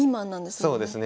そうですね。